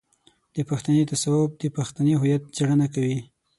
د پښتني تصوف د پښتني هويت څېړنه کوي.